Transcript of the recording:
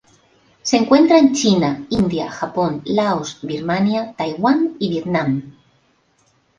Se encuentra en China, India, Japón, Laos, Birmania, Taiwán y Vietnam.